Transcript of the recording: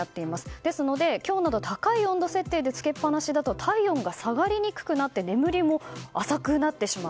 ですので、強など高い温度設定でつけっぱなしだと体温が下がりにくくなって眠りも浅くなってしまう。